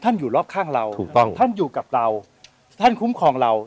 อยู่รอบข้างเราถูกต้องท่านอยู่กับเราท่านคุ้มครองเรา